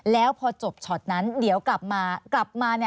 แล้วพอจบช็อตนั้นเดี๋ยวกลับมากลับมา